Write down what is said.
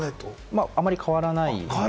あまり変わらない。